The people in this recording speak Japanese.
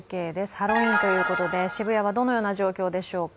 ハロウィーンということで、渋谷はどのような状況でしょうか。